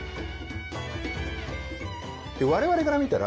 我々から見たら